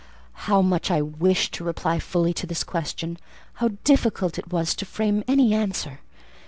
How much I wished to reply fully to this question! How difficult it was to frame any answer!